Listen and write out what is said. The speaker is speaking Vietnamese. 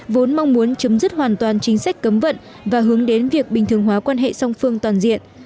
vốn mong muốn chấm dứt hoàn toàn chính sách cấm vận và hướng đến việc bình thường hóa quan hệ song phương toàn diện